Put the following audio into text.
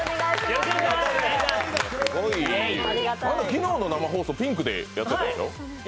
昨日の生放送、ピンクでやってたじしょ？